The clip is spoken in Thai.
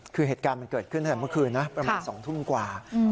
คือเหตุการณ์มันเกิดขึ้นตั้งแต่เมื่อคืนนะประมาณ๒ทุ่มกว่า